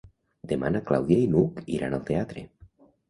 Demà na Clàudia i n'Hug iran al teatre.